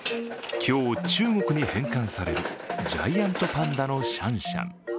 今日、中国に返還されるジャイアントパンダのシャンシャン。